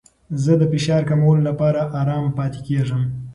زه د فشار کمولو لپاره ارام پاتې کیږم.